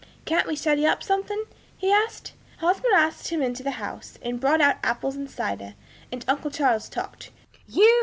'Can't we study up something?' he asked. Hosmer asked him into the house, and brought out apples and cider, and uncle Charles talked. 'You!'